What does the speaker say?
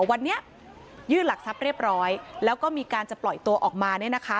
วันนี้ยื่นหลักทรัพย์เรียบร้อยแล้วก็มีการจะปล่อยตัวออกมา